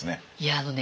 あのね